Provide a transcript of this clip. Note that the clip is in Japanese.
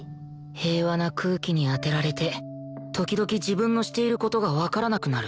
平和な空気に当てられて時々自分のしている事がわからなくなる